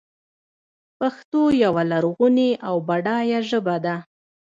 پښتو یوه لرغونې او بډایه ژبه ده.